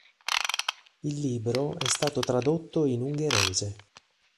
Il libro è stato tradotto in ungherese.